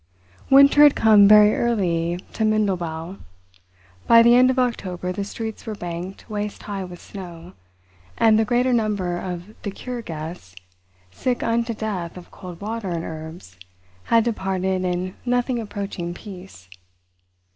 Winter had come very early to Mindelbau. By the end of October the streets were banked waist high with snow, and the greater number of the "Cure Guests," sick unto death of cold water and herbs, had departed in nothing approaching peace.